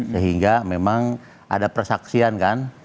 sehingga memang ada persaksian kan